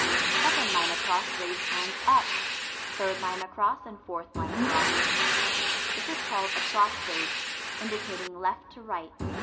Second line across raise hands up; third line across, and fourth line across. This is called across stage (indicating left to right).